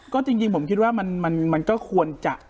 ก็จริงผมคิดว่ามันก็ควรจะ